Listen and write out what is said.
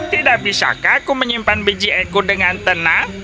tidak bisa aku menyimpan biji ekku dengan tenang